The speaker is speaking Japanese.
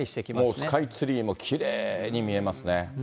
もうスカイツリーもきれいに見えますね。